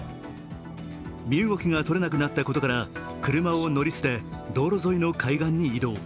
身動きがとれなくなったことから車を乗り捨て道路沿いの海岸に移動。